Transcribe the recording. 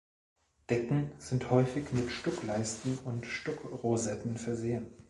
Decken sind häufig mit Stuck-Leisten und Stuck-Rosetten versehen.